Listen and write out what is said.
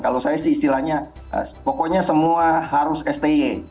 kalau saya sih istilahnya pokoknya semua harus sti